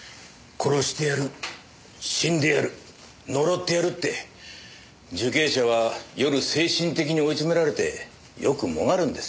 殺してやる死んでやる呪ってやるって受刑者は夜精神的に追い詰められてよくもがるんです。